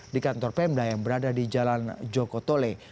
di kantor pemda yang berada di jalan jokotole